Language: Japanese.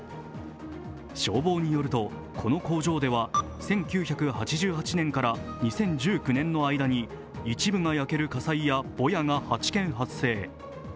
消防によると、この工場では１９８８年から２０１９年の間に一部が焼ける火災やぼやが８件発生。